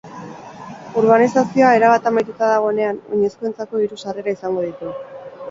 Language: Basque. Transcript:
Urbanizazioa erabat amaituta dagoenean, oinezkoentzako hiru sarrera izango ditu.